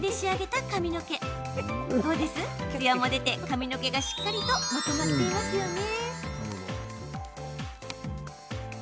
確かにツヤも出て髪の毛がしっかりとまとまっていますね。